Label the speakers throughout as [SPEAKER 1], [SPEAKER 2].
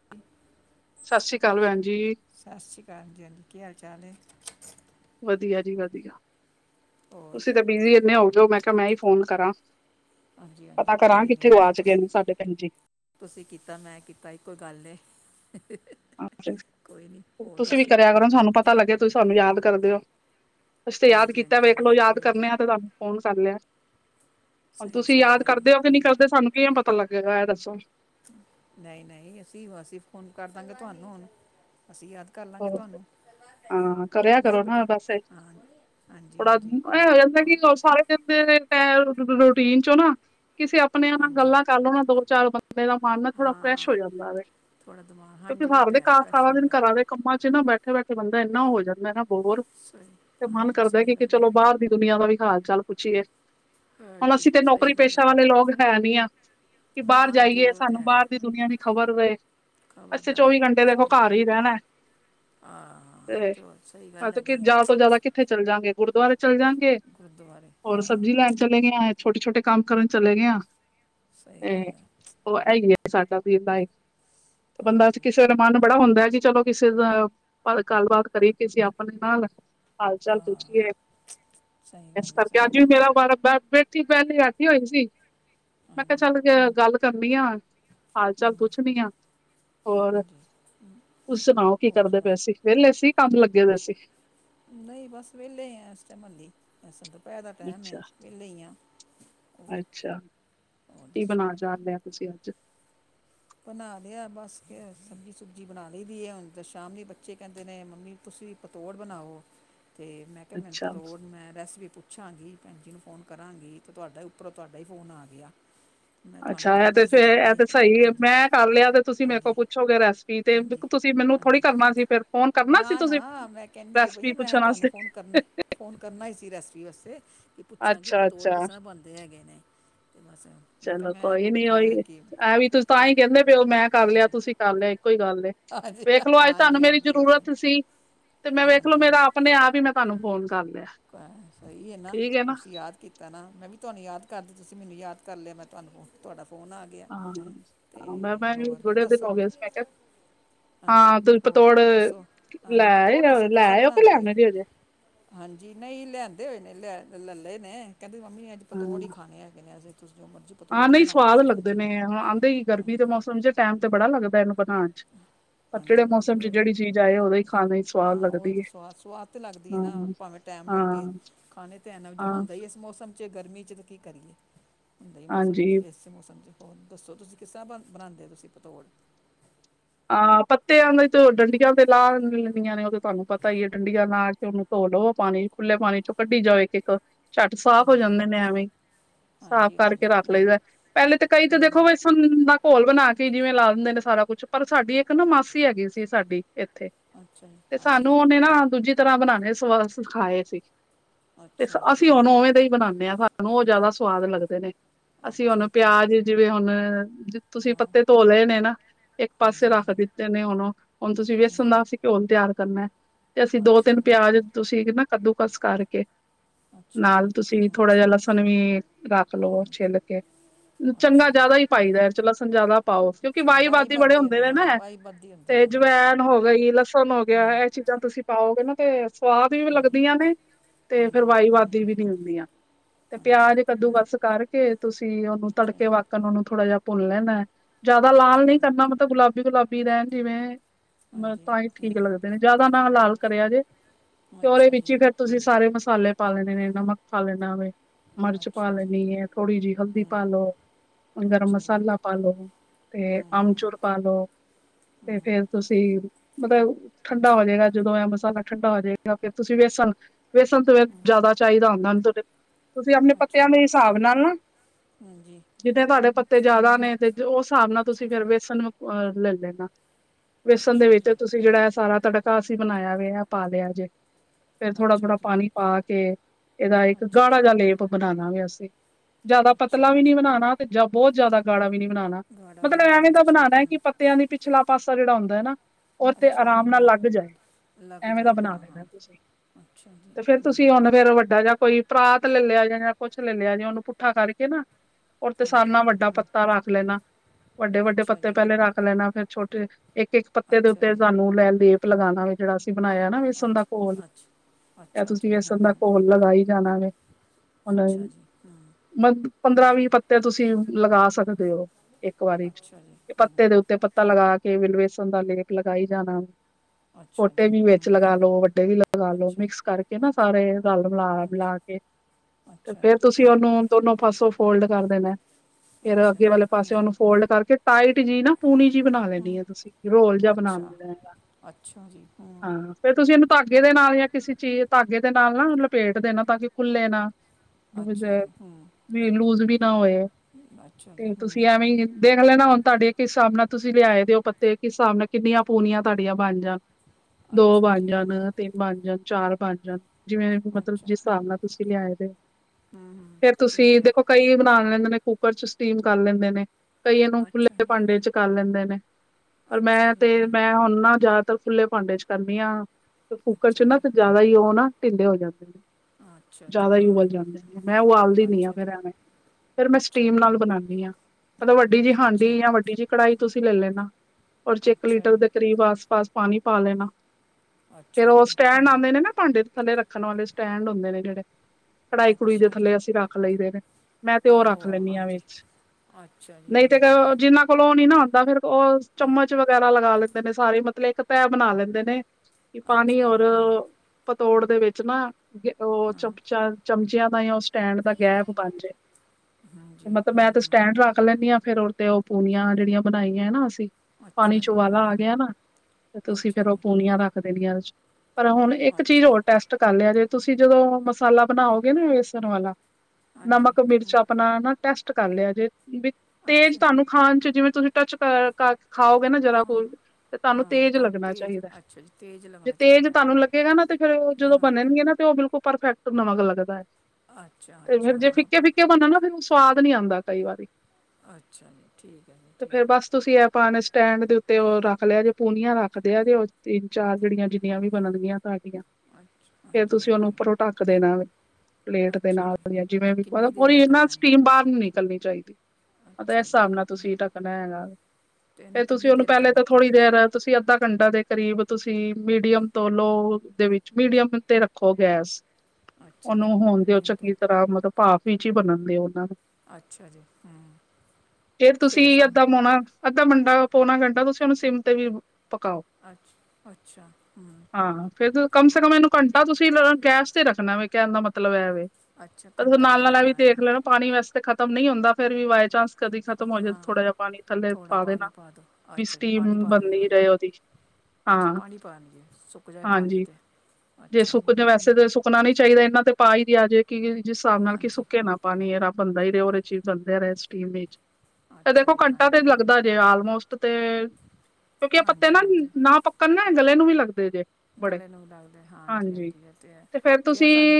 [SPEAKER 1] [inaudible]
[SPEAKER 2] ਸਾਸ਼ੀ ਕਾਲ ਭੈਣ ਜੀ।
[SPEAKER 1] ਸਾਸੀ ਕਾਲ ਹਾਂਜੀ-ਹਾਂਜੀ, ਕੀ ਹਾਲ ਚਾਲ ਏ?
[SPEAKER 2] ਵਧੀਆ ਜੀ ਵਧੀਆ,
[SPEAKER 1] ਹੋਰ
[SPEAKER 2] ਤੁਸੀਂ ਤੇ ਬਿਜ਼ੀ ਇਨੇ ਹੋ ਗਏ ਹੋ, ਮੈਂ ਕੇਆ ਮੈਂ ਈ ਫੋਨ ਕਰਾਂ।
[SPEAKER 1] ਹਾਂਜੀ
[SPEAKER 2] ਪਤਾ
[SPEAKER 1] ਹਾਂਜੀ
[SPEAKER 2] ਕਰਾਂ
[SPEAKER 1] ਕੋਈ
[SPEAKER 2] ਕਿੱਥੇ
[SPEAKER 1] ਨਹੀਂ
[SPEAKER 2] ਗਵਾਚ ਗਏ
[SPEAKER 1] ਤੁਸੀਂ
[SPEAKER 2] ਨੇ ਸਾਡੇ ਭੈਣ ਜੀ?
[SPEAKER 1] ਤੁਸੀਂ ਕੀਤਾ ਮੈਂ ਕੀਤਾ ਇੱਕੋ ਈ ਗੱਲ ਏ।
[SPEAKER 2] [unintelligible] ਤੁਸੀਂ ਵੀ ਕਰੇਆ ਕਰੋ, ਸਾਨੂੰ ਪਤਾ ਲੱਗੇ ਤੁਸੀਂ ਸਾਨੂੰ ਯਾਦ ਕਰਦੇ ਓ। ਅਸੀਂ ਤੇ ਯਾਦ
[SPEAKER 1] ਹਾਂਜੀ
[SPEAKER 2] ਕੀਤਾ,
[SPEAKER 1] ਹਾਂਜੀ
[SPEAKER 2] ਵੇਖਲੋ
[SPEAKER 1] ਨਹੀਂ
[SPEAKER 2] ਯਾਦ
[SPEAKER 1] ਕੋਈ ਨਹੀਂ
[SPEAKER 2] ਕਰਨੇ ਆ ਤੇ ਤਾਨੂੰ। ਫੋਨ ਕਰ ਲੇਆ, ਹੁਣ
[SPEAKER 1] ਸਹੀ
[SPEAKER 2] ਤੁਸੀਂ
[SPEAKER 1] ਸਹੀ
[SPEAKER 2] ਯਾਦ
[SPEAKER 1] ਹੈ
[SPEAKER 2] ਕਰਦੇ ਹੋ ਕਿ
[SPEAKER 1] ਕੋਈ
[SPEAKER 2] ਨਹੀਂ ਕਰਦੇ, ਸਾਨੂੰ ਕਿਵੇਂ ਪਤਾ ਲੱਗੇਗਾ ਏਹ ਦੱਸੋ?
[SPEAKER 1] ਨਈ-ਨਈ ਅਸੀਂ ਵ ਅਸੀਂ ਫੋਨ ਕਾਰ ਦਾਂਗੇ ਤੁਹਾਨੂੰ ਹੁਣ, ਅਸੀਂ ਯਾਦ ਕਰ ਲਾਂਗੇ
[SPEAKER 2] [unintelligible]
[SPEAKER 1] ਤੁਹਾਨੂੰ
[SPEAKER 2] ਹਾਂ-ਹਾਂ, ਕਰੇਆ
[SPEAKER 1] ਨਹੀਂ
[SPEAKER 2] ਕਰੋ ਨਾ
[SPEAKER 1] ਬੇਟਾ
[SPEAKER 2] ਅ ਵੈਸੇ।
[SPEAKER 1] ਹਾਂ ਹਾਂਜੀ
[SPEAKER 2] ਥੋੜਾ
[SPEAKER 1] ਹਾਂਜੀ
[SPEAKER 2] ਏਹ ਹੋ ਜਾਂਦਾ
[SPEAKER 1] ਹੋਰ
[SPEAKER 2] ਕਿ ਲੋ ਸਾਰੇ [unintelligible] ਰੋ ਰੋਟੀਨ 'ਚੋਂ ਨਾ ਕਿਸੇ ਆਪਨੇਆਂ ਨਾਲ
[SPEAKER 1] ਹਾਂਜੀ
[SPEAKER 2] ਗੱਲਾਂ ਕਰ ਲਉ ਨਾ ਦੋ ਚਾਰ ਬੰਦੇ ਦਾ ਮਨ ਨਾ ਥੋੜਾ ਫ੍ਰੈਸ਼
[SPEAKER 1] ਹਾਂ
[SPEAKER 2] ਹੋ ਜਾਂਦਾ ਵੇ।
[SPEAKER 1] ਥੋੜਾ ਦਿਮਾਗ
[SPEAKER 2] ਕਿਉਂਕਿ
[SPEAKER 1] ਹਾਂਜੀ ਉਹ
[SPEAKER 2] ਘਰ
[SPEAKER 1] ਤੇ
[SPEAKER 2] ਦੇ
[SPEAKER 1] ਹੈ
[SPEAKER 2] [unintelligible]
[SPEAKER 1] ਫਰੈਸ਼
[SPEAKER 2] ਸਾਰਾ
[SPEAKER 1] ਹੋ
[SPEAKER 2] ਦਿਨ
[SPEAKER 1] ਜਾਂਦਾ ਹੈ।
[SPEAKER 2] ਘਰਾਂ ਦੇ ਕੰਮਾਂ 'ਚ ਨਾ ਬੈਠੇ-ਬੈਠੇ ਬੰਦਾ ਇੰਨਾ ਹੋ ਜਾਂਦੈ ਨਾ ਬੋਰ
[SPEAKER 1] ਸਹੀ
[SPEAKER 2] ਤੇ ਮਨ
[SPEAKER 1] ਹਾਂਜੀ
[SPEAKER 2] ਕਰਦੈ
[SPEAKER 1] ਸਹੀ
[SPEAKER 2] ਕਿ ਕਿ
[SPEAKER 1] ਗੱਲ ਹੈ
[SPEAKER 2] ਚਲੋ
[SPEAKER 1] ਜੀ।
[SPEAKER 2] ਬਾਰ ਦੀ ਦੁਨੀਆਂ ਦਾ ਵੀ ਹਾਲ-ਚਾਲ ਪੁੱਛੀਏ। ਹੁਣ
[SPEAKER 1] ਹਾਂਜੀ
[SPEAKER 2] ਅਸੀ ਤੇ
[SPEAKER 1] ਸਹੀ
[SPEAKER 2] ਨੌਕਰੀ
[SPEAKER 1] ਗੱਲ ਹੈ
[SPEAKER 2] ਪੇਸ਼ਾ
[SPEAKER 1] ਜੀ।
[SPEAKER 2] ਵਾਲੇ ਲੋਕ ਹੈ ਨੀ ਆਂ ਕਿ ਬਾਰ ਜਾਈਏ।
[SPEAKER 1] ਹਾਂਜੀ ਉਹ ਤੇ
[SPEAKER 2] ਸਾਨੂੰ
[SPEAKER 1] ਹੈ
[SPEAKER 2] ਬਾਰ ਦੀ ਦੁਨੀਆਂ ਦੀ ਖ਼ਬਰ ਰਵੇ।
[SPEAKER 1] ਖਬਰ
[SPEAKER 2] ਅਸੀ ਤ
[SPEAKER 1] ਦਾ ਵੇ
[SPEAKER 2] ਚੌਵੀ ਘੰਟੇ ਦੇਖੋ ਘਾਰ ਈ ਰੈਨੈ।
[SPEAKER 1] ਆ
[SPEAKER 2] ਤੇ ਹਾਂ ਤੇ ਕਿਦ ਜ਼ਿਆਦਾ ਤੋਂ ਜ਼ਿਆਦਾ ਕਿੱਥੇ ਚੱਲ ਜਾਗੇ ਗੁਰਦੁਆਰੇ ਚੱਲ ਜਾਂ ਗੇ,
[SPEAKER 1] ਗੁਰਦੁਆਰੇ
[SPEAKER 2] ਹੋਰ
[SPEAKER 1] ਹਾਂ
[SPEAKER 2] ਸਬਜ਼ੀ ਲੈਣ ਚਲੇ ਗੇ ਆਂ, ਛੋਟੇ-ਛੋਟੇ ਕੰਮ ਕਰਨ ਚਲੇ ਗੇ ਆਂ।
[SPEAKER 1] ਸਈ ਗੱਲ ਐ।
[SPEAKER 2] ਓ ਐਈ ਈ ਏ ਸਾਡਾ ਵੀ ਏਦਾਂ ਏ। ਏ ਬੰਦਾ ਚ
[SPEAKER 1] ਹਾਂਜੀ
[SPEAKER 2] ਕਿਸੇ ਦਾ ਮਨ ਬੜਾ ਹੁੰਦਾ ਜੀ ਚਲੋ ਕਿਸੇ ਦਾ, ਪਰ ਗੱਲਬਾਤ ਕਰੀਏ ਕਿਸ ਆਪਣੇ ਨਾਲ ਹਾਲ-ਚਾਲ
[SPEAKER 1] ਹਾਂ
[SPEAKER 2] ਪੁੱਛੀਏ,
[SPEAKER 1] ਹਾਂ, ਸਹੀ
[SPEAKER 2] ਏਸ
[SPEAKER 1] ਗੱਲ ਹੈ
[SPEAKER 2] ਕਰਕੇ
[SPEAKER 1] ਸਹੀ
[SPEAKER 2] ਅੱਜ ਈ ਓ
[SPEAKER 1] ਗੱਲ ਹੈ
[SPEAKER 2] ਮੇਰਾ ਬਾਰਾ [unintelligible] [unintelligible] ਲੀਆ ਤੀ ਹੋਈ ਸੀ, ਮੈਂ ਕਿਆ
[SPEAKER 1] ਹਾਂਜੀ
[SPEAKER 2] ਚੱਲ
[SPEAKER 1] ਹਮ,
[SPEAKER 2] ਗੱਲ ਕਰਨੀ ਆ। ਹਾਲ ਚਾਲ ਪੁੱਛਣੀ ਆ ਹੋਰ
[SPEAKER 1] ਹਾਂਜੀ ਹਮ,
[SPEAKER 2] ਤੁਸੀ ਸੁਣਾਓ ਕੀ
[SPEAKER 1] ਹੋਰ
[SPEAKER 2] ਕਰਦੇ
[SPEAKER 1] ਸੁਣਾ
[SPEAKER 2] ਪਏ ਸੀ? ਵੇਲੇ ਸੀ, ਕੰਮ ਲੱਗੇ ਹੋਏ ਸੀ?
[SPEAKER 1] ਨਈ ਬਸ ਵੇਲੇ ਆਂ ਐਸ ਟੈਮ ਹੱਲੀ। ਐਸਲੇ ਦਪੈਰ ਦਾ ਟੈਮ ਏ
[SPEAKER 2] ਅੱਛਾ
[SPEAKER 1] ਵੇਲੇ ਈ ਆਂ।
[SPEAKER 2] ਅੱਛਾ ਕੀ ਬਨਾ ਚਾਰ ਲਿਆ ਤੁਸੀ ਅੱਜ?
[SPEAKER 1] ਬਣਾ ਲਿਐ ਬਸ ਕੇ। ਸਬਜ਼ੀ-ਸੁਬਜ਼ੀ, ਬਣਾ ਲਈ ਦੀ ਏ ਹੁਣ ਤੇ ਸ਼ਾਮੀ ਬੱਚੇ ਕੈਂਦੇ ਨੇ ਮੰਮੀ ਤੁਸੀ ਪਤੋੜ ਬਣਾਓ ਤੇ ਮੈਂ ਕਿਆ ਮੈਨੂੰ
[SPEAKER 2] ਅੱਛਾ
[SPEAKER 1] ਪਤੋੜ ਮੈਂ ਰੈਸਿਪੀ ਪੁੱ ਛਾਂਗੀ, ਭੈਣ ਜੀ ਨੂੰ ਫੋਨ ਕਰਾਂਗੀ, ਤਾਂ ਤੁਆਡਾ ਈ ਉੱਪਰੋਂ ਤੁਆਡਾ ਈ ਫੋਨ ਆ ਗੇਆ।
[SPEAKER 2] ਅੱਛਾ ਐ ਤੇ ਫੇਰ ਐ ਤੇ ਸਈ ਏ।
[SPEAKER 1] ਹਾਂਜੀ
[SPEAKER 2] ਮੈਂ ਕਰ ਲਿਆ ਫੇਰ ਤੁਸੀ ਮੇਰੇ ਕੋਲ
[SPEAKER 1] ਹਾਂਜੀ
[SPEAKER 2] ਪੁੱਛੋਗੇ ਰੈਸਪੀ ਤੇ ਦੇਖੋ ਤੁਸੀ ਮੈਨੂੰ ਥੋੜ੍ਹੀ ਕਰਨਾ ਸੀ ਫੇਰ ਫੋਨ ਕਰਨਾ ਸੀ ਤੁਸੀਂ
[SPEAKER 1] ਨਾ-ਨਾ ਮੈਂ ਕੈਂਨੀ ਤੇ ਪਈ ਏ
[SPEAKER 2] ਰੈਸਪੀ
[SPEAKER 1] ਮੈਂ
[SPEAKER 2] ਪੁੱਛਣ
[SPEAKER 1] ਤੁਆਨੂੰ
[SPEAKER 2] ਵਾਸਤੇ
[SPEAKER 1] ਫੋਨ ਕਰਨੈ। ਫ਼ੋਨ ਕਰਨਾ ਈ ਸੀ ਰੈਸਪੀ ਵਾਸੇ। ਕਿ ਪੁੱਛਾਂਗੀ
[SPEAKER 2] ਅੱਛਾ
[SPEAKER 1] ਪਤੋੜ
[SPEAKER 2] ਅੱਛਾ
[SPEAKER 1] ਕਿਸਰ੍ਹਾਂ ਬਣਦੇ ਹੈਗੇ ਨੇ ਤੇ ਬਸ ਮੈਂ ਕਿਹਾ
[SPEAKER 2] ਚਲੋ
[SPEAKER 1] ਮੈਂ
[SPEAKER 2] ਕੋਈ ਨੀ
[SPEAKER 1] ਭੁੱਖਾ
[SPEAKER 2] ਓਈ।
[SPEAKER 1] ਹੈ ਕਿ
[SPEAKER 2] ਐ ਵੀ ਤੁਸ ਤਾਂ
[SPEAKER 1] ਖਾ
[SPEAKER 2] ਈ ਕੇਂਦੇ ਪੇ ਓ ਮੈਂ ਕਰ ਲਿਆ,
[SPEAKER 1] ਹਾਂਜੀ
[SPEAKER 2] ਤੁਸੀ ਕਰ ਲਿਆ ਇੱਕੋ ਗੱਲ ਏ।
[SPEAKER 1] ਹਾਂਜੀ
[SPEAKER 2] ਵੇਖ ਲੋ ਅੱਜ
[SPEAKER 1] ਹਾਂਜੀ
[SPEAKER 2] ਤੁਆਨੂੰ ਮੇਰੀ
[SPEAKER 1] ਹਾਂਜੀ ਉਸ
[SPEAKER 2] ਜ਼ਰੂਰਤ ਸੀ ਤੇ ਮੈਂ ਵੇਖ ਲੋ
[SPEAKER 1] ਹਾਂਜੀ
[SPEAKER 2] ਮੇਰਾ ਆਪਣੇ ਆਪ ਈ ਮੈਂ ਤੁਆਨੂੰ ਫੋਨ ਕਰ ਲਿਐ।
[SPEAKER 1] ਕ- ਸਹੀ ਹੈ
[SPEAKER 2] ਠੀਕ ਐ ਨਾ।
[SPEAKER 1] ਤੁਸੀਂ ਯਾਦ ਕੀਤਾ ਨਾ, ਮੈਂ ਵੀ ਤੁਆਨੂੰ ਯਾਦ ਕਰਦੀ ਪੀ ਸੀ। ਮੈਨੂੰ ਯਾਦ ਕਰ ਲਿਆ ਮੈਂ ਤੁਆਨੂੰ ਫੋ ਤੁਆਡਾ ਫੋਨ ਆ ਗਿਆ
[SPEAKER 2] ਹਾਂ,
[SPEAKER 1] ਤੇ
[SPEAKER 2] ਹਾਂ ਮੈਂ ਮੈਨੂੰ
[SPEAKER 1] ਹੋਰ
[SPEAKER 2] ਬੜੇ ਦਿਨ
[SPEAKER 1] ਦੱਸੋ
[SPEAKER 2] ਹੋ ਗੇ ਸੀ ਮੈਂ ਕਿਆ
[SPEAKER 1] ਹਾਂਜੀ
[SPEAKER 2] ਹਾਂ, ਤੁਈ
[SPEAKER 1] ਹੋਰ
[SPEAKER 2] ਪਤੋੜ
[SPEAKER 1] ਦੱਸੋ ਹਾਂਜੀ
[SPEAKER 2] ਲੈ,
[SPEAKER 1] ਪਤੋੜ ਦੱਸੋ ਕਿਸ ਤਰ੍ਹਾਂ
[SPEAKER 2] ਲੈਯੋ ਕੇ
[SPEAKER 1] ਬਣਾਉਂਦੇ ਆ
[SPEAKER 2] ਲੈਣੇ ਜੇ ਹਜੇ।
[SPEAKER 1] ਹਾਂਜੀ ਨਈ ਲਿਆਂਦੇ ਹੋਏ ਨੇ ਲੈ, ਲੱਲੇ ਨੇ ਕੈਂਦੀ ਮੰਮੀ ਏਂਝ
[SPEAKER 2] ਹਾਂ
[SPEAKER 1] ਪਤੋੜ ਈ ਖਾਣੇ ਹੈਗੇ ਨੇ ਅੱਜ ਤੁਸੀ ਜੋ ਮਰਜੀ
[SPEAKER 2] ਹਾਂ ਨਈ ਸਵਾਦ ਲੱਗਦੇ ਨੇ। ਹਾਂ ਆਂਦੇ ਈ ਗਰਮੀ ਦੇ
[SPEAKER 1] ਹਾਂਜੀ
[SPEAKER 2] ਮੌਸਮ 'ਚ। ਟੈਮ ਤੇ ਬੜਾ ਲੱਗਦੈ ਏਨੂੰ ਬਣਾਣ 'ਚ। ਪਰ ਕੇੜੇ
[SPEAKER 1] ਹਾਂਜੀ
[SPEAKER 2] ਮੌਸਮ
[SPEAKER 1] ਹਾਂਜੀ
[SPEAKER 2] 'ਚ
[SPEAKER 1] ਹੋਈ ਨਾ
[SPEAKER 2] ਜੇੜੀ ਚੀਜ਼ ਆਏ ਓਦੋਂ ਈ ਖਾਣੇ 'ਚ ਸਵਾਦ
[SPEAKER 1] ਹਾਂ ਉਹੀ
[SPEAKER 2] ਲੱਗਦੀ ਏ।
[SPEAKER 1] ਤਾਂ ਸਵਾਦ ਸਵਾਦ ਤੇ ਲੱਗਦੀ ਹੈ ਨਾ
[SPEAKER 2] ਹੂੰ।
[SPEAKER 1] ਭਾਵੇਂ ਟੈਮ ਲੱਗੇ ਖਾਣੇ ਤੇ ਐਣਾ ਜ
[SPEAKER 2] ਹਾਂ
[SPEAKER 1] ਬਣਦਾ ਈ ਏਸ ਮੋਸਮ 'ਚ ਗਰਮੀ 'ਚ ਤ ਕੀ ਕਰੀਏ ਹੁੰਦਾ ਈ ਮੌਸਮ
[SPEAKER 2] ਹਾਂਜੀ
[SPEAKER 1] 'ਚ ਏਸ ਮੌਸਮ 'ਚ। ਹੁਣ ਦੱਸੋ ਤੁਸੀ ਕਿਸਰ੍ਹਾਂ ਬਣ ਬਨਾਂਦੇ ਓ ਤੁਸੀ ਪਤੋੜ।
[SPEAKER 2] ਆਂ ਪੱਤੇਆਂ ਦਾ ਈ ਤੇ ਓ ਡੰਡੀਆਂ ਤੇ ਲਾ ਨੀਐ ਨੇ ਓ ਤੇ ਤੁਆਨੂੰ ਪਤਾ ਈ ਏ ਡੰਡੀਆਂ ਲਾ ਕੇ ਓਨੂੰ ਧੋ ਲਵੋ, ਪਾਣੀ ਖੁੱਲੇ ਪਾਣੀ 'ਚੋਂ ਕੱਢੀ ਜਾਓ ਏੱਕ-ਏੱਕ। ਝੱਟ ਸਾਫ਼ ਹੋ
[SPEAKER 1] ਹਾਂਜੀ
[SPEAKER 2] ਜਾਂਦੇ ਨੇ ਐਵੇਂ ਈ। ਸਾਫ਼
[SPEAKER 1] ਹਾਂਜੀ ਹਾਂਜੀ
[SPEAKER 2] ਕਰਕੇ ਰੱਖ
[SPEAKER 1] ਹਮ,
[SPEAKER 2] ਲਈਦੈ, ਪੈਲੇ ਤੇ ਕਈ ਤੇ ਦੇਖੋ ਬਈ [unintelligible] ਘੋਲ ਬਣਾ ਕੇ ਜਿਵੇਂ ਲਾ ਦਿੰਦੇ ਨੇ ਸਾਰਾ ਕੁੱਛ ਪਰ ਸਾਡੀ ਏੱਕ ਨਾ ਮਾਸੀ ਹੈਗੀ ਸੀ ਸਾਡੀ ਏੱਥੇ
[SPEAKER 1] ਅੱਛਾ ਜੀ
[SPEAKER 2] ਤੇ
[SPEAKER 1] ਹਾਂਜੀ
[SPEAKER 2] ਸਾਨੂੰ ਓਨੇ ਨਾ ਦੂਜੀ ਤਰ੍ਹਾਂ ਬਨਾਣੇ ਸਵਾ ਸਿਖਾਏ ਸੀ। ਤੇ ਸ
[SPEAKER 1] ਅੱਛਾ ਜੀ
[SPEAKER 2] ਅਸੀ
[SPEAKER 1] ਹਮ
[SPEAKER 2] ਹੋਨ ਉਵੇਂ ਦੇ ਈ ਬਨਾਨੇ ਆਂ, ਸਾਨੂੰ ਓ ਜ਼ਿਆਦਾ ਸਵਾਦ ਲੱਗਦੇ ਨੇ। ਅਸੀਂ ਹੋਨ
[SPEAKER 1] ਅੱਛਾ ਕਿੱਦਾਂ
[SPEAKER 2] ਪੇਆਜ ਜਿਵੇਂ ਹੋਨ, ਜੀ ਤੁਸੀਂ ਪੱਤੇ ਧੋ ਲਏ ਨੇ ਨਾ ਇੱਕ ਪਾਸੇ
[SPEAKER 1] ਹਾਂਜੀ
[SPEAKER 2] ਰੱਖ
[SPEAKER 1] ਹਾਂਜੀ
[SPEAKER 2] ਦਿੱਤੇ ਨੇ ਹੋਨ ਓ ਤੁਸੀਂ ਵੇਸਨ
[SPEAKER 1] ਹਾਂਜੀ
[SPEAKER 2] ਦਾ ਸੀਂ ਘੋਲ ਤੇਆਰ ਕਰਨੈ। ਤੇ ਅਸੀਂ
[SPEAKER 1] ਅੱਛਾ
[SPEAKER 2] ਦੋ-ਤਿੰਨ
[SPEAKER 1] ਜੀ
[SPEAKER 2] ਪੇਆਜ ਤੁਸੀਂ ਨਾ ਕੱਦੂ-ਕਸ ਕਰਕੇ।
[SPEAKER 1] ਅੱਛਾ
[SPEAKER 2] ਨਾਲ
[SPEAKER 1] ਜੀ
[SPEAKER 2] ਤੁਸੀਂ
[SPEAKER 1] ਹਮ
[SPEAKER 2] ਥੋੜ੍ਹਾ ਜਾ ਲੱਸਨ ਵੀ ਰਾੱਖ ਲੋ
[SPEAKER 1] ਹਮ
[SPEAKER 2] ਛਿੱਲ ਕੇ। ਚੰਗਾ
[SPEAKER 1] ਅੱਛਾ ਜੀ
[SPEAKER 2] ਜਾਦਾ ਈ
[SPEAKER 1] ਹਮ
[SPEAKER 2] ਪਾਈਦਾ ਏਚ ਲੱਸਨ ਜਾਦਾ ਪਾਓ ਕਿਉਕਿ
[SPEAKER 1] ਅੱਛਾ ਵਾਈ
[SPEAKER 2] ਵਾਈਬਾਦੀ ਬੜੇ
[SPEAKER 1] ਬੱਦੀ
[SPEAKER 2] ਹੁੰ
[SPEAKER 1] ਹੁੰਦੇ
[SPEAKER 2] ਤੇ ਨਾ
[SPEAKER 1] ਹਾਂ ਵਾਈ ਬੱਦੀ ਹੁੰਦੇ
[SPEAKER 2] ਐ,
[SPEAKER 1] ਨੇ ਹਾਂਜੀ
[SPEAKER 2] ਜਵੈਨ ਹੋ ਗਈ ਲੱਸਨ ਹੋ ਗੇਆ ਐ ਚੀਜਾ ਤੁਸੀਂ ਪਾਓਗੇ ਨਾ ਤੇ ਸਵਾਦ ਵੀ
[SPEAKER 1] ਹਾਂਜੀ
[SPEAKER 2] ਲੱਗਦੀਆਂ ਨੇ, ਤੇ ਫੇਰ
[SPEAKER 1] ਹਾਂਜੀ ਹਮ
[SPEAKER 2] ਵਾਈ-ਵਾਦੀ ਵੀ ਨੀ ਹੁੰਦੀਆਂ। ਤੇ ਪੇਆਜ
[SPEAKER 1] ਹਾਂਜੀ ਹਮ
[SPEAKER 2] ਕੱਦੂ-ਕਾੱਸ ਕਾਰ ਕੇ ਤੁਸੀਂ ਓਨੂੰ
[SPEAKER 1] ਅੱਛਾ
[SPEAKER 2] ਤੜਕੇ
[SPEAKER 1] ਜੀ
[SPEAKER 2] ਵਾਕਨ ਓਨੂੰ ਥੋੜਾ ਜੇਆ ਭੁਨ ਲੈਨੈ, ਜਾਦਾ ਲਾਲ
[SPEAKER 1] ਅੱਛਾ
[SPEAKER 2] ਨੀ
[SPEAKER 1] ਜੀ
[SPEAKER 2] ਕਰਨਾ ਮਤਲਬ ਤਾਂ ਗੁਲਾਬੀ-ਗੁਲਾਬੀ ਰੈਨ ਜਿਵੇਂ, ਮ
[SPEAKER 1] ਹਾਂਜੀ
[SPEAKER 2] ਤਾਂ ਈ ਠੀਕ
[SPEAKER 1] ਹੂੰ
[SPEAKER 2] ਲੱਗਦੇ ਨੇ ਜਾਦਾ ਨਾ ਲਾਲ ਕਰੇਆ ਜੇ। ਤੇ ਓਦੇ
[SPEAKER 1] ਅੱਛਾ
[SPEAKER 2] ਵਿੱਚ
[SPEAKER 1] ਜੀ
[SPEAKER 2] ਈ ਫੇਰ ਤੁਸੀਂ
[SPEAKER 1] ਹੂੰ
[SPEAKER 2] ਸਾਰੇ ਮਸਾਲੇ ਪਾ ਲੈਣੇ ਨੇ ਨਮਕ ਪਾ ਲੈਣਾ ਵੇ ਮੱਰਚ ਪਾ
[SPEAKER 1] ਅੱਛਾ ਜੀ
[SPEAKER 2] ਲੈਨੀ ਏ ਥੋੜੀ ਜੀ ਹਲਦੀ
[SPEAKER 1] ਹੂੰ
[SPEAKER 2] ਪਾ ਲੋ, ਗਰਮ
[SPEAKER 1] ਅੱਛਾ ਜੀ
[SPEAKER 2] ਮਸਾਲਾ ਪਾ
[SPEAKER 1] ਹੂੰ
[SPEAKER 2] ਲੋੋ ਤੇ
[SPEAKER 1] ਹੂੰ
[SPEAKER 2] ਅਆਮਚੂਰ
[SPEAKER 1] ਹੂੰ
[SPEAKER 2] ਪਾ ਲੋ ਤੇ
[SPEAKER 1] ਹੂੰ,
[SPEAKER 2] ਫੇਰ ਤੁਸੀ ਮਤਲਬ
[SPEAKER 1] ਹੂੰ
[SPEAKER 2] ਠੰਡਾ ਹੋ ਜੇਗਾ ਜਦੋਂ ਐ ਮਸਾਲਾ ਠੰਡਾ ਹੋ ਜੇਗਾ ਫੇਰ ਤੁਸੀਂ ਵੇਸਨ, ਵੇਸਨ ਤੇ ਫੇਰ
[SPEAKER 1] ਹੂੰ
[SPEAKER 2] ਜਾਦਾ ਚਾਈਦਾ ਹੁੰਦਾ ਨ ਤੁਆਡੇ ਤੁਸੀਂ ਆਪਨੇ
[SPEAKER 1] ਅੱਛਾ
[SPEAKER 2] ਪੱਤੇਆਂ ਦੇ
[SPEAKER 1] ਜੀ
[SPEAKER 2] ਹਿਸ੍ਹਾਬ ਨਾਲ ਨਾ
[SPEAKER 1] ਹਾਂਜੀ।
[SPEAKER 2] ਜਿਦਾ ਤੁਆਡੇ ਪੱਤੇ ਜਾਦਾ ਨੇ ਤੇ ਓਸ ਸ੍ਹਾਬ ਨਾਲ ਤੁਸੀਂ
[SPEAKER 1] ਅੱਛਾ
[SPEAKER 2] ਫੇਰ ਵੇਸਨ ਅ, ਲੈ ਲੈਨਾ। ਵੇਸਨ ਦੇ
[SPEAKER 1] ਅੱਛਾ
[SPEAKER 2] ਵਿੱਚ
[SPEAKER 1] ਜੀ
[SPEAKER 2] ਤੁਸੀ
[SPEAKER 1] ਹੂੰ
[SPEAKER 2] ਜੇੜਾ ਐ ਸਾਰਾ ਤੜਕਾ ਅਸੀ ਬਨਾਏਆ ਵੇ ਪਾ ਲੇਆ ਜੇ। ਫੇਰ
[SPEAKER 1] ਅੱਛਾ
[SPEAKER 2] ਥੋੜਾ-ਥੋੜਾ
[SPEAKER 1] ਜੀ
[SPEAKER 2] ਪਾਨੀ ਪਾਕੇ, ਏਦਾ ਇੱਕ
[SPEAKER 1] ਅੱਛਾ
[SPEAKER 2] ਗਾੜਾ
[SPEAKER 1] ਜੀ
[SPEAKER 2] ਜਾ ਲੇਪ ਤੋ ਬਨਾਨਾ ਵੇ ਅਸੀ, ਜਾਦਾ
[SPEAKER 1] ਅੱਛਾ
[SPEAKER 2] ਪਤਲਾ ਵੀ
[SPEAKER 1] ਜੀ
[SPEAKER 2] ਨੀ ਬਨਾਨਾ ਤੇ ਜਾ ਬੋਤ ਜਾਦਾ ਗਾੜਾ ਵੀ ਨੀ ਬਨਾਨਾ।
[SPEAKER 1] ਗਾੜਾ
[SPEAKER 2] ਮਲਬ
[SPEAKER 1] ਨਹੀਂ
[SPEAKER 2] ਐਵੇਂ
[SPEAKER 1] ਬਣਾਉਣਾ
[SPEAKER 2] ਤਾਂ
[SPEAKER 1] ਅੱਛਾ
[SPEAKER 2] ਬਨਾਨੈ ਕਿ
[SPEAKER 1] ਹੂੰ
[SPEAKER 2] ਪੱਤੇਆਂ ਦੀ ਪਿਛਲਾ ਪਾਸਾ ਜੇੜਾ ਹੁੰਦਾ ਐ ਨਾ ਓ ਤੇ
[SPEAKER 1] ਅੱਛਾ ਜੀ
[SPEAKER 2] ਅਰਾਮ ਨਾਲ
[SPEAKER 1] ਹੂੰ
[SPEAKER 2] ਲਾੱਗ ਜਾਏ।
[SPEAKER 1] ਲੱਗ
[SPEAKER 2] ਐਵੇਂ ਦਾ
[SPEAKER 1] ਜਾਏ
[SPEAKER 2] ਬਨਾ
[SPEAKER 1] ਹਾਂ ਹਾਂ
[SPEAKER 2] ਲੈਨੈ ਤੁਸੀਂ,
[SPEAKER 1] ਅੱਛਾ ਜੀ
[SPEAKER 2] ਤੇ ਫੇਰ ਤੁਸੀਂ
[SPEAKER 1] ਹੂੰ
[SPEAKER 2] ਹੋਨ ਫੇਰ ਵੱਡਾ ਜਾ ਕੋਈ ਪਰਾਤ ਲੈ ਲੇਆ ਜੇ ਯਾ ਕੁੱਛ ਲੈ ਲੇਆ ਜੇ ਓਨੂੰ ਪੁੱਠਾ ਕਾਰਕੇ ਨਾ ਓਰ ਤੇ ਸਾਰ
[SPEAKER 1] ਹਾਂਜੀ
[SPEAKER 2] ਨਾਲ ਵੱਡਾ
[SPEAKER 1] ਹੂੰ
[SPEAKER 2] ਪੱਤਾ ਰਾੱਖ ਲੈਨਾ, ਵੱਡੇ-ਵੱਡੇ
[SPEAKER 1] ਅੱਛਾ
[SPEAKER 2] ਪੱਤੇ
[SPEAKER 1] ਜੀ
[SPEAKER 2] ਪੈਲੇ ਰਾੱਖ ਲੈਨਾ ਫੇਰ ਛੋਟੇ, ਏੱਕ-ਏੱਕ ਪੱਤੇ ਦੇ
[SPEAKER 1] ਅੱਛਾ
[SPEAKER 2] ਉੱਤੇ
[SPEAKER 1] ਜੀ
[SPEAKER 2] ਤੁਹਾਨੂੰ ਲੈ ਲੇਪ ਲਗਾਨਾ ਵੇ ਜੇੜਾ ਅਸੀ ਬਨਾਏਆ ਨਾ ਵੇਸਨ ਦਾ
[SPEAKER 1] ਅੱਛਾ
[SPEAKER 2] ਘੋਲ,
[SPEAKER 1] ਅੱਛਾ
[SPEAKER 2] ਐ
[SPEAKER 1] ਅੱਛਾ
[SPEAKER 2] ਤੁਸੀ
[SPEAKER 1] ਅੱਛਾ ਜੀ ਹਾਂ
[SPEAKER 2] ਵੇਸਨ ਦਾ
[SPEAKER 1] ਹਾਂ
[SPEAKER 2] ਘੋਲ ਲਗਾ ਈ ਜਾਨਾ ਵੇ।
[SPEAKER 1] ਅੱਛਾ ਜੀ, ਹੂੰ।
[SPEAKER 2] ਮਦ,
[SPEAKER 1] ਅੱਛਾ
[SPEAKER 2] ਪੰਦਰਾਂ-ਵੀਹ ਪੱਤੇ ਤੁਸੀਂ ਲਗਾ ਸਕਦੇ ਓ ਏੱਕ ਵਾਰੀ ਚ।
[SPEAKER 1] ਅੱਛਾ ਜੀ ਹਮ,
[SPEAKER 2] ਪੱਤੇ ਦੇ ਉੱਤੇ ਪੱਤਾ ਲਗਾ ਕੇ ਵਿਲ ਵੇਸਨ ਦਾ ਲੇਪ ਲਗਾਈ ਜਾਨਾ।
[SPEAKER 1] ਅੱਛਾ।
[SPEAKER 2] ਛੋਟੇ
[SPEAKER 1] ਜੀ
[SPEAKER 2] ਵੀ ਵਿੱਚ
[SPEAKER 1] ਹਮ
[SPEAKER 2] ਲਗਾ
[SPEAKER 1] ਹਮ
[SPEAKER 2] ਲੋ ਵੱਡੇ ਵੀ ਲਗਾ ਲੋ,
[SPEAKER 1] ਅੱਛਾ
[SPEAKER 2] ਮਿਕਸ ਕਰਕੇ ਨਾ
[SPEAKER 1] ਅੱਛਾ
[SPEAKER 2] ਸਾਰੇ ਰਲ ਮਿਲਾ-ਮਿਲਾ
[SPEAKER 1] ਅੱਛਾ-
[SPEAKER 2] ਕੇ ਤੇ
[SPEAKER 1] ਅੱਛਾ
[SPEAKER 2] ਫੇਰ
[SPEAKER 1] ਜੀ
[SPEAKER 2] ਤੁਸੀਂ
[SPEAKER 1] ਹਮ
[SPEAKER 2] ਓਨੂੰ ਦੋਨੋ ਪਾਸੋਂ ਫੋਲਡ ਕਾਰ ਦੇਨੈ। ਫੇਰ
[SPEAKER 1] ਅੱਛਾ
[SPEAKER 2] ਅੱਗੇ
[SPEAKER 1] ਜੀ
[SPEAKER 2] ਵਾਲੇ ਪਾਸੇ
[SPEAKER 1] ਹਮ
[SPEAKER 2] ਓਨੂੰ ਫੋਲਡ ਕਾਰਕੇ ਟਾਈਟ ਜੀ ਨਾ ਪੂਨੀ ਜੀ ਬਨਾ ਲੈਨੀ
[SPEAKER 1] ਹਮ
[SPEAKER 2] ਐ ਤੁਸੀ ਰੋਲ ਜਾ ਬਨਾ
[SPEAKER 1] ਅੱਛਾ
[SPEAKER 2] ਲੈਨਾ,
[SPEAKER 1] ਅੱਛਾ ਜੀ ਹਮ
[SPEAKER 2] ਹਾਂ। ਫੇਰ ਤੁਸੀ ਏਨੂੰ ਧਾਗੇ ਦੇ ਨਾਲ ਯਾ ਕਿਸੇ ਚੀਜ਼ ਧਾਗੇ ਦੇ ਨਾਲ ਨਾ, ਲਪੇਟ ਦੇਨਾ ਤਾਂ ਕਿ ਖੁੱਲੇ ਨਾ।
[SPEAKER 1] ਅੱਛਾ ਜੀ ਹਮ
[SPEAKER 2] ਵੀ ਲੂਜ ਵੀ ਨਾ ਹੋਏ,
[SPEAKER 1] ਅੱਛਾ ਜੀ
[SPEAKER 2] ਤੇ ਤੁਸੀ
[SPEAKER 1] ਹਮ
[SPEAKER 2] ਐਵੇਂ ਈ ਦੇਖ ਲੇਨਾ ਹੁਨ ਤੁਆਡੇ ਕਿਸ ਸ੍ਹਾਬ ਨਾਲ ਤੁਸੀਂ ਲਿਆਏ ਦੇ ਓ ਪੱਤੇ ਕਿਸ ਸ੍ਹਾਬ ਨਾਲ ਕਿੰਨੀਆਂ ਪੂਨੀਆਂ ਥਾਡੀਆਂ ਬਾਨ ਜਾਨ। ਦੋ
[SPEAKER 1] ਅੱਛਾ
[SPEAKER 2] ਬਾਨ
[SPEAKER 1] ਜੀ
[SPEAKER 2] ਜਾਨ,
[SPEAKER 1] ਹਮ
[SPEAKER 2] ਤਿੰਨ ਬਾਨ ਜਾਨ, ਚਾਰ ਬਾਨ ਜਾਨ ਜਿਵੇਂ ਮਤਲਬ
[SPEAKER 1] ਅੱਛਾ
[SPEAKER 2] ਜਿਸ ਸ੍ਹਾਬ
[SPEAKER 1] ਹਮ
[SPEAKER 2] ਨਾਲ ਤੁਸੀ ਲਿਆਏ ਦੇ,
[SPEAKER 1] ਹਮ ਹਮ,
[SPEAKER 2] ਫੇਰ ਤੁਸੀ
[SPEAKER 1] ਠੀਕ ਹੈ
[SPEAKER 2] ਦੇਖੋ ਕਈ ਬਨਾ ਲੈਂਦੇ ਨੇ ਕੁੂੱਕਰ ਚ ਸਟੀਮ ਕਾਰ ਲੈਂਦੇ ਨੇ, ਕਈ ਏਨੂੰ
[SPEAKER 1] ਅੱਛਾ
[SPEAKER 2] ਖੁੱਲੇ
[SPEAKER 1] ਜੀ
[SPEAKER 2] ਭਾਂਡੇ
[SPEAKER 1] ਹਾਂ
[SPEAKER 2] ਚ ਕਾਰ ਲੈਂਦੇ ਨੇ, ਪਰ
[SPEAKER 1] ਅੱਛਾ
[SPEAKER 2] ਮੈਂ
[SPEAKER 1] ਜੀ
[SPEAKER 2] ਤੇ
[SPEAKER 1] ਹਮ
[SPEAKER 2] ਮੈਂ ਹੋਨ ਨਾ ਜਾ ਖੁੱਲ੍ਹੇ ਭਾਂਡੇ ਚ ਕਰਨੀ ਆ, ਤੇ ਕੂਕਰ ਚ
[SPEAKER 1] ਅੱਛਾ
[SPEAKER 2] ਨਾ
[SPEAKER 1] ਜੀ
[SPEAKER 2] ਤੇ ਜਾਦਾ ਈ ਓ ਨਾ ਢਿੱਲੇ ਹੋ ਜਾਂਦੇ ਨੇ।
[SPEAKER 1] ਅੱਛਾ ਅੱਛਾ
[SPEAKER 2] ਜਾਦਾ ਈ
[SPEAKER 1] ਹਾਂ
[SPEAKER 2] ਉਬਲ ਜਾਂਦੇ ਮੈਂ ਉਵਾਲਦੀ ਨੀ ਆ
[SPEAKER 1] ਅੱਛਾ
[SPEAKER 2] ਫੇਰ
[SPEAKER 1] ਜੀ
[SPEAKER 2] ਐਵੇਂ। ਫੇਰ ਮੈਂ
[SPEAKER 1] ਅੱਛਾ
[SPEAKER 2] ਸਟੀਮ
[SPEAKER 1] ਜੀ
[SPEAKER 2] ਨਾਲ
[SPEAKER 1] ਹਮ
[SPEAKER 2] ਬਨਾਨੀ ਆਂ ਮਤਲਬ ਵੱਡੀ ਜੀ
[SPEAKER 1] ਅੱਛਾ
[SPEAKER 2] ਹਾਂਡੀ ਯਾਂ ਵੱਡੀ ਜੀ ਕੜਾਈ ਤੁਸੀ ਲੱਲਨਾ। ਓਰ 'ਚ ਏੱਕ
[SPEAKER 1] ਅੱਛਾ
[SPEAKER 2] ਲੀਟਰ
[SPEAKER 1] ਜੀ
[SPEAKER 2] ਦੇ ਕਰੀਬ ਆਸ ਪਾਸ ਪਾਣੀ ਪਾ ਲੈਣਾ। ਫੇਰ
[SPEAKER 1] ਅੱਛਾ
[SPEAKER 2] ਓ
[SPEAKER 1] ਜੀ
[SPEAKER 2] ਸਟੈਂਡ
[SPEAKER 1] ਹਮ
[SPEAKER 2] ਆਂਦੇ ਨੇ ਨਾ ਭਾਂਡੇ ਦੇ ਥੱਲੇ ਰੱਖਣ ਵਾਲੇ ਸਟੈਂਡ ਹੁੰਦੇ ਨੇ ਜੜੇ ਕੜਾਈ-ਕੜੂਈ ਦੇ
[SPEAKER 1] ਅੱਛਾ ਜੀ
[SPEAKER 2] ਥੱਲੇ ਅਸੀ ਰੱਖ ਲਈ ਦੇ ਨੇ। ਮੈਂ ਤੇ ਓ ਰੱਖ
[SPEAKER 1] ਆਹੋ ਆ
[SPEAKER 2] ਲੇਂਨੀ ਆਂ
[SPEAKER 1] ਹਾਂਜੀ
[SPEAKER 2] ਵੇੱਚ।
[SPEAKER 1] ਅੱਛਾ ਜੀ, ਹੂੰ-ਹੂੰ।
[SPEAKER 2] ਜਿੰਨਾ ਕੋਲ ਓ ਨੀ ਨਾ ਹੋਂਦਾ ਫੇਰ ਓ ਚਮਚ ਵਗੈਰਾ ਲਗਾ ਲੈਂ ਦੇ ਨੇ ਸਾਰੇ ਮਤਲਬ ਏੱਕ ਤੈਅ ਬਣਾ ਲੈਂਦੇ ਨੇ ਕਿ
[SPEAKER 1] ਅ-
[SPEAKER 2] ਪਾਣੀ
[SPEAKER 1] ਅੱਛਾ ਜੀ
[SPEAKER 2] ਔਰ
[SPEAKER 1] ਹੂੰ
[SPEAKER 2] ਪੱਤੋੜ
[SPEAKER 1] ਹੂੰ,
[SPEAKER 2] ਦੇ ਵਿੱਚ ਨਾ ਗੈ ਓ
[SPEAKER 1] ਹਾਂ
[SPEAKER 2] ਚੋਪ ਚਾ ਚਮਚੇਆਂ ਦਾ ਯਾਂ ਓ ਸਟੈਂਡ ਦਾ
[SPEAKER 1] ਸਹੀ ਹੈ ਨਾ
[SPEAKER 2] ਗੈਪ ਬਣ
[SPEAKER 1] ਆਈਡੀਆ
[SPEAKER 2] ਜੇ।
[SPEAKER 1] ਹੂੰ ਜੀ
[SPEAKER 2] ਮਤਲ ਮੈਂ
[SPEAKER 1] ਹੂੰ
[SPEAKER 2] ਤੇ ਸਟੈਂਡ
[SPEAKER 1] ਹੂੰ
[SPEAKER 2] ਰੱਖ ਲੈਂਨੀ ਆਂ ਫੇਰ ਓਰ ਤੇ ਓ ਪੂਨੀਯਾਂ ਜੜੀਆਂ ਬਣਾਈਆਂ ਐ ਨਾ ਅਸੀ ਪਾਣੀ
[SPEAKER 1] ਅੱਛਾ
[SPEAKER 2] 'ਚੋ
[SPEAKER 1] ਜੀ ਹੂੰ
[SPEAKER 2] ਉਬਾਲਾ ਆ
[SPEAKER 1] ਹੂੰ
[SPEAKER 2] ਗੇਆ ਨਾ ਤੇ ਤੁਸੀ
[SPEAKER 1] ਅੱਛਾ
[SPEAKER 2] ਫੇਰ ਓ
[SPEAKER 1] ਜੀ
[SPEAKER 2] ਪੂਨੀਯਾਂ
[SPEAKER 1] ਹੂੰ
[SPEAKER 2] ਰੱਖ ਦੇਣੀਆਂ ਔਰ 'ਚ ਪਰ ਹੁਣ ਏੱਕ ਚੀਜ਼
[SPEAKER 1] ਅੱਛਾ
[SPEAKER 2] ਹੋਰ ਟੈਸ ਟ ਕਾਨੇ ਆ ਜੇ ਤੁਸੀਂ ਜਦੋਂ ਮਸਾਲਾ ਬਨਾਓਗੇ ਨਾ ਵੇਸਨ ਵਾਲਾ
[SPEAKER 1] ਹਾਂਜੀ
[SPEAKER 2] ਨਮਕ ਮਿਰਚ
[SPEAKER 1] ਹੂੰ
[SPEAKER 2] ਆਪਣਾ ਨਾ ਟੈਸਟ ਕਰ ਲਿਆ ਜੇ ਬੀ ਤੇਜ
[SPEAKER 1] ਅੱਛਾ
[SPEAKER 2] ਖਾਣ 'ਚ ਜਿਵੇਂ ਤੁਸੀ ਟੱਚ ਕ, ਕਰ ਖਾਓਗੇ ਨਾ ਜ਼ਰਾ
[SPEAKER 1] ਹਾਂ
[SPEAKER 2] ਕ ਤੇ ਤੁਆਨੂੰ
[SPEAKER 1] ਹਾਂ
[SPEAKER 2] ਤੇਜ
[SPEAKER 1] ਤਾਂ
[SPEAKER 2] ਲੱਗਣਾ
[SPEAKER 1] ਤੇਜ਼
[SPEAKER 2] ਚਾਈਦੈ।
[SPEAKER 1] ਅੱਛਾ ਜੀ ਤੇਜ਼
[SPEAKER 2] ਜੇ
[SPEAKER 1] ਲੱਗਣਾ
[SPEAKER 2] ਤੇਜ਼
[SPEAKER 1] ਚਾਹੀਦਾ ਹੈ।
[SPEAKER 2] ਤਾਨੂੰ ਲੱ ਗੇਗਾ ਨਾ ਤੇ ਫੇਰ ਓ ਜਦੋਂ
[SPEAKER 1] ਹਾਂ
[SPEAKER 2] ਬਨਣਗੇ ਨਾ ਤੇ ਓ ਬਿਲਕੁਲ ਪਰਫੈਕਟ ਨਮਕ ਲੱਗਦੈ।
[SPEAKER 1] ਅੱਛਾ
[SPEAKER 2] ਤੇ ਫੇਰ
[SPEAKER 1] ਅੱਛਾ
[SPEAKER 2] ਜੇ
[SPEAKER 1] ਹਾਂ
[SPEAKER 2] ਫਿੱਕੇ-ਫਿੱਕੇ ਬਣਨ ਨਾ ਫੇਰ ਓ ਸਵਾਦ ਨੀ ਆਂਦਾ ਕਈ ਵਾਰੀ।
[SPEAKER 1] ਅੱਛਾ ਜੀ। ਠੀਕ ਐ ਜੀ।
[SPEAKER 2] ਤੇ ਫੇਰ
[SPEAKER 1] ਠੀਕ ਹੈ
[SPEAKER 2] ਬਸ ਤੁਸੀ ਐ ਪਾਨ ਏੱਚ ਸਟੈਂਡ ਦੇ ਉੱਤੇ ਓ ਰੱਖ ਲਿਆ ਜੇ ਪੂਨੀਯਾਂ ਰੱਖਦੇ ਆ ਜੇ ਓ ਤਿੰਨ-ਚਾਰ ਜੇੜੀਆਂ ਜਿੰਨੀਆਂ ਵੀ ਬਣਨਗੀਆਂ। ਸਾਡੀਆਂ,
[SPEAKER 1] ਅੱਛਾ
[SPEAKER 2] ਫੇਰ
[SPEAKER 1] ਹਾਂਜੀ
[SPEAKER 2] ਤੁਸੀ ਓਨੂੰ
[SPEAKER 1] ਹਾਂਜੀ
[SPEAKER 2] ਉੱਪਰੋਂ ਢੱਕ ਦੇਣਾ ਵੇ। ਪਲੇਟ ਦੇ
[SPEAKER 1] ਅੱਛਾ
[SPEAKER 2] ਨਾਲ
[SPEAKER 1] ਜੀ
[SPEAKER 2] [unintelligible]
[SPEAKER 1] ਤੇ
[SPEAKER 2] ਜਿਵੇਂ ਵੀ
[SPEAKER 1] ਕਿੰਨੀ
[SPEAKER 2] ਮਤਲਬ
[SPEAKER 1] ਦੇਰ
[SPEAKER 2] ਪੂਰੀ ਏਨਾਂ
[SPEAKER 1] ਰੱਖਣਾ ਹੈ
[SPEAKER 2] ਸਟੀਮ ਬਾਰ ਨ ਨਿਕਲਣੀ ਚਾਈਦੀ ਮਤਲਬ
[SPEAKER 1] ਅੱਛਾ
[SPEAKER 2] ਏਸ
[SPEAKER 1] ਜੀ
[SPEAKER 2] ਢੰਗ ਨਾਲ
[SPEAKER 1] ਹੂੰ,
[SPEAKER 2] ਤੁਸੀ ਢੱਕਣਾ ਹੈਗਾ।
[SPEAKER 1] ਤੇ ਇਹਨੂੰ
[SPEAKER 2] ਫੇਰ ਤੁਸੀ
[SPEAKER 1] ਕਿੰਨੀ
[SPEAKER 2] ਓਨੂੰ
[SPEAKER 1] ਦੇਰ
[SPEAKER 2] ਪੈਲੇ ਤੇ
[SPEAKER 1] ਕਰਨਾ
[SPEAKER 2] ਥੋੜੀ
[SPEAKER 1] ਪਏਗਾ
[SPEAKER 2] ਦੇਰ ਤੁਸੀ ਅੱਧਾ ਘੰਟਾ ਦੇ ਕਰੀਬ ਤੁਸੀ ਮੀਡੀਅਮ ਤੋਂ ਲੋਅ ਦੇ ਵਿੱਚ ਮੀਡੀਅਮ ਤੇ ਰੱ ਖੋ ਗੈਸ।
[SPEAKER 1] ਅੱਛਾ
[SPEAKER 2] ਓਨੂੰ
[SPEAKER 1] ਜੀ
[SPEAKER 2] ਹੋਨ ਦਿਓ
[SPEAKER 1] ਮੀਡੀਅਮ ਤੇ
[SPEAKER 2] ਚੰਗੀ ਤਰ੍ਹਾਂ ਮਤਲਬ ਭਾਫ ਵਿੱਚ ਈ ਬਣਨ ਦਿਓ ਓਨ੍ਹਾਂ ਨੂੰ।
[SPEAKER 1] ਅੱਛਾ ਜੀ, ਹੂੰ।
[SPEAKER 2] ਫੇਰ ਤੁਸੀ
[SPEAKER 1] ਫਿਰ ਸਾਨੂੰ
[SPEAKER 2] ਅੱਧਾ-ਪੋਣਾ, ਅੱਧਾ ਘੰਟਾ, ਪੌਣਾ ਘੰਟਾ ਤੁਸੀ ਓਨੂੰ ਸਿਮ ਤੇ ਵੀ ਪਕਾਓ।
[SPEAKER 1] ਅੱਛ, ਅੱਛਾ ਹੂੰ।
[SPEAKER 2] ਹਾਂ ਫੇਰ ਕਮ ਸੇ ਕਮ ਏਨੂੰ ਘੰਟਾ ਤੁਸੀ ਲ ਗੈਸ ਤੇ ਰੱਖਨਾ ਵੇ, ਕੈਨ ਦਾ ਮਤਲਬ ਐ ਵੇ।
[SPEAKER 1] ਅੱਛਾ
[SPEAKER 2] ਪਰ ਹੂਨ
[SPEAKER 1] ਘੰਟਾ
[SPEAKER 2] ਨਾਲ
[SPEAKER 1] ਭਰ
[SPEAKER 2] ਨਾਲ ਐ ਵੀ
[SPEAKER 1] ਰੱਖਣਾ ਹੈਗਾ
[SPEAKER 2] ਦੇਖ ਲੈਣਾ ਪਾਣੀ ਵੈਸੇ ਖਤਮ ਨਈ ਹੁੰਦਾ ਫੇਰ ਵੀ ਬਾਏ ਚਾਂਸ ਕਦੀ ਖਤਮ ਹੋ ਜੇ ਤੇ
[SPEAKER 1] ਹਾਂ
[SPEAKER 2] ਥੋੜਾ ਜਿਆ ਪਾਣੀ ਥੱਲੇ
[SPEAKER 1] ਥੋੜਾ
[SPEAKER 2] ਪਾ ਦੇਣਾ
[SPEAKER 1] ਪਾਣੀ ਦਿਓ
[SPEAKER 2] ਵੀ
[SPEAKER 1] ਅੱਛਾ ਜੀ ਪਾਣੀ
[SPEAKER 2] ਸਟੀਮ
[SPEAKER 1] ਪਾ ਦਿਓ ਜੀ
[SPEAKER 2] ਬੰਨ੍ਹੀ
[SPEAKER 1] ਹੋਰ
[SPEAKER 2] ਰਏ ਓਦੀ।
[SPEAKER 1] ਅੱਛਾ ਪਾਣੀ ਪਾਂਦੇ ਸੋਕ ਜਾਏ ਪਾਣੀ
[SPEAKER 2] ਹਾਂਜੀ
[SPEAKER 1] ਤੇ। ਅੱਛਾ ਜੀ, ਹੂੰ।
[SPEAKER 2] ਸੁੱਕਨਾ ਨੀ ਚਾਈਦਾ ਏਨਾਂ ਤੇ ਪਾ ਈ ਦੇਆ ਜੇ ਕਿ ਜਿਸ ਸਾਬ ਨਾਲ ਕਿ
[SPEAKER 1] ਹਾਂਜੀ
[SPEAKER 2] ਸੁੱਕੇ ਨਾ। ਪਾਣੀ ਏਰਾ ਬਨਦਾ ਈ ਰਏ ਓਰੇ 'ਚ ਈ ਬਨਦੇ ਰਏ ਸਟੀਮ ਈ। ਤੇ
[SPEAKER 1] ਅੱਛਾ
[SPEAKER 2] ਦੇਖੋ
[SPEAKER 1] ਜੀ
[SPEAKER 2] ਘੰਟਾ ਤੇ
[SPEAKER 1] ਹਾਂਜੀ ਹਾਂਜੀ।
[SPEAKER 2] ਲੱਗਦਾ ਜੇ ਆਲਮੋਸਟ ਤੇ ਕਿਉਂਕਿ ਐ ਪੱਤੇ ਨਾ,
[SPEAKER 1] ਹਾਂਜੀ ਹਾਂਜੀ
[SPEAKER 2] ਨਾ ਪੱਕਨ ਨਾ ਐ ਗਲੇ ਨੂੰ ਵੀ ਲੱਗਦੇ ਜੇ ਬੜੇ
[SPEAKER 1] ਗਲੇ ਨੂੰ ਵੀ ਲੱਗਦੇ
[SPEAKER 2] ਹਾਂਜੀ
[SPEAKER 1] ਹਾਂਜੀ-ਹਾਂਜੀ ਐ ਤੇ ਹੈ
[SPEAKER 2] ਫੇਰ
[SPEAKER 1] ਤੇ ਐ
[SPEAKER 2] ਤੁਸੀਂ
[SPEAKER 1] ਸਾਨੂੰ